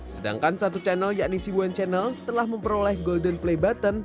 sedangkan satu channel yakni si boen channel telah memperoleh golden play button